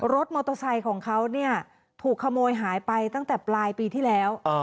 รถมอเตอร์ไซค์ของเขาเนี่ยถูกขโมยหายไปตั้งแต่ปลายปีที่แล้ว